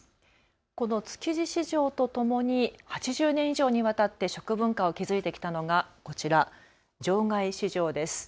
この築地市場とともに８０年以上にわたって食文化を築いてきたのがこちら、場外市場です。